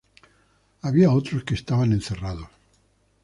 Había otros que estaban encerrados.